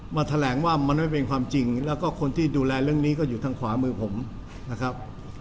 แถลงว่ามันไม่เป็นความจริงแล้วก็คนที่ดูแลเรื่องนี้ก็อยู่ทางขวามือผมนะครับ